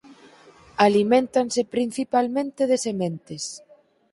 Aliméntanse principalmente de sementes.